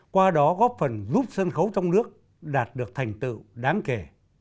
qua đó góp phần giúp sân khấu trong nước đạt được thành tựu đáng kể